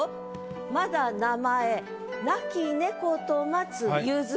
「まだ名前なき猫と待つ夕月夜」。